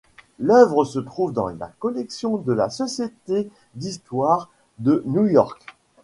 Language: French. L'œuvre se trouve dans la collection de la société d'histoire de New York.